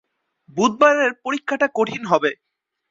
বুধবারের পরীক্ষাটা কঠিন হবে।